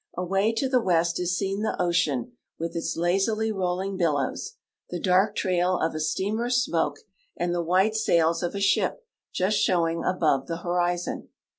Away to the west is seen the ocean with its lazily rolling billows, the dark trail of a steamer's smoke, and the white sails of a ship just showing above the horizon.